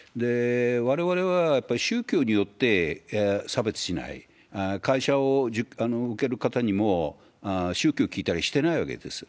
われわれは、やっぱり宗教によって差別しない、会社を受ける方にも宗教を聞いたりしてないわけです。